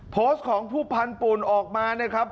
โพสต์ของผู้พันธุ่นออกมานะครับ